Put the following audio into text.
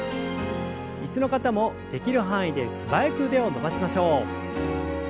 椅子の方もできる範囲で素早く腕を伸ばしましょう。